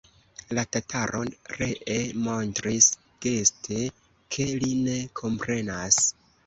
La tataro ree montris geste, ke li ne komprenas.